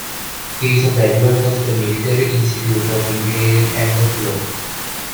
He is a graduate of the Military Institute of Engineering and of Law.